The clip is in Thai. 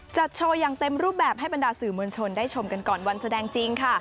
จัดโชว์อย่างเต็มรูปแบบให้บรรดาสื่อมวลชนได้ชมกันก่อนวันแสดงจริงค่ะ